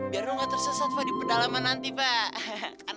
biar lo nggak tersesat fah di pedalaman nanti fah